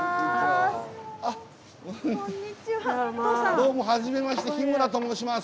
どうもはじめまして日村と申します。